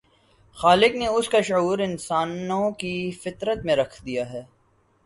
خالق نے اس کا شعور انسانوں کی فطرت میں رکھ دیا ہے۔